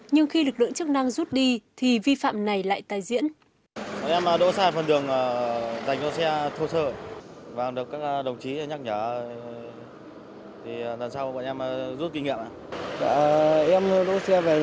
nhưng khi lực lượng chức năng rút đi thì vi phạm này lại tái diễn